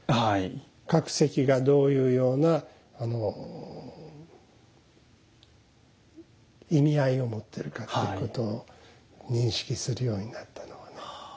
各席がどういうような意味合いを持ってるかっていうことを認識するようになったのは。